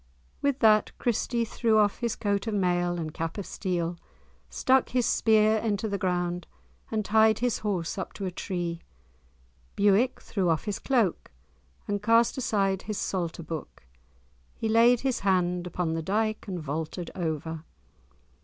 With that Christie threw off his coat of mail and cap of steel, stuck his spear into the ground, and tied his horse up to a tree. Bewick threw off his cloak, and cast aside his psalter book. He laid his hand upon the dyke, and vaulted over.